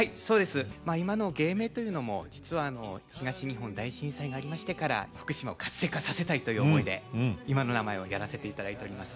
今の芸名というのも実は東日本大震災がありましてから福島を活性化させたいという思いで今の名前をやらせて頂いております